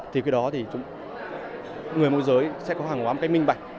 thì cái đó thì người môi giới sẽ có hàng hóa một cách minh bạch